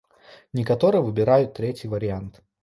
Некаторыя выбіраюць трэці варыянт.